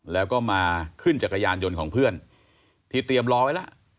แล้วก็มาขึ้นจักรยานยนต์ของเพื่อนที่เตรียมรอไว้แล้ว